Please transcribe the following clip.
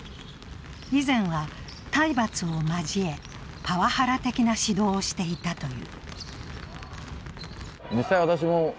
以前は体罰をまじえ、パワハラ的な指導をしていたという。